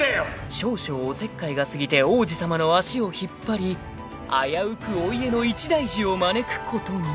［少々おせっかいが過ぎて王子様の足を引っ張り危うくお家の一大事を招くことに］